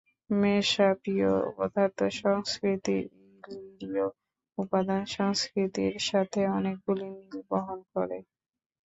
মেসাপীয় পদার্থ সংস্কৃতি ইলিরীয় উপাদান সংস্কৃতির সাথে অনেকগুলি মিল বহন করে।